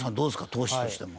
投手としても。